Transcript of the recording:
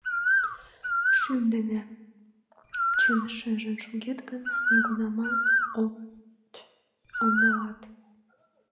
— Шӱм дене чын шижын шогет гын, нигунамат от ондалалт.